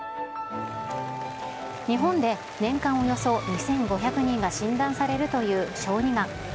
日本で年間およそ２５００人が診断されるという小児がん。